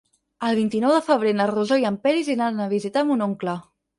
El vint-i-nou de febrer na Rosó i en Peris iran a visitar mon oncle.